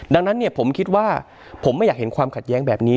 ดังนั้นผมคิดว่าผมไม่อยากเห็นความขัดแย้งแบบนี้